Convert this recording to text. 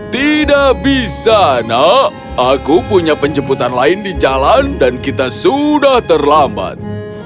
tidak bisa nak aku punya penjemputan lain di jalan dan kita sudah terlambat